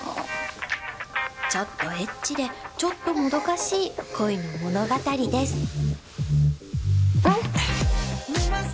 ちょっとエッチでちょっともどかしい恋の物語です